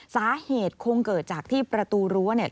สาเหตุคงเกิดจากที่ประตูรั้วเนี่ย